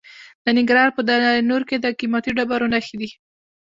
د ننګرهار په دره نور کې د قیمتي ډبرو نښې دي.